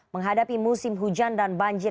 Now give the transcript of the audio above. menghadapi musim hujan dan banjir